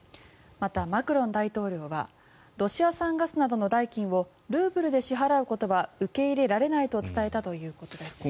また、マクロン大統領はロシア産ガスなどの代金をルーブルで支払うことは受け入れられないと伝えたということです。